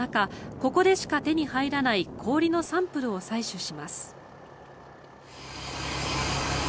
ここでしか手に入らない氷のサンプルを入手します。